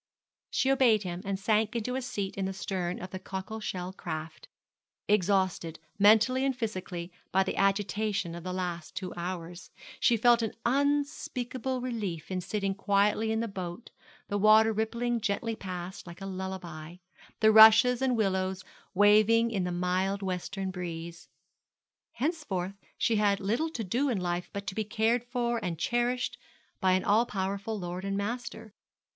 She obeyed him, and sank into a seat in the stern of the cockle shell craft, exhausted, mentally and physically, by the agitation of the last two hours, She felt an unspeakable relief in sitting quietly in the boat, the water rippling gently past, like a lullaby, the rushes and willows waving in the mild western breeze. Henceforth she had little to do in life but to be cared for and cherished by an all powerful lord and master.